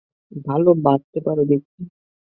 ভালোই বাঁধতে পারো দেখছি!